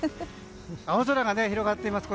青空が広がっています。